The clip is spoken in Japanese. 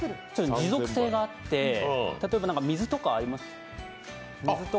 持続性があって、例えば水とかあります？